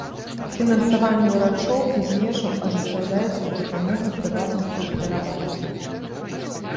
Фінансаванне ўрачоў без межаў ажыццяўляецца з дапамогай прыватных ахвяраванняў.